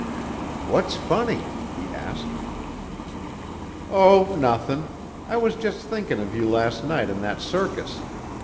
"What's funny?" he asked. "Oh, nothin'. I was just thinkin' of you last night in that circus.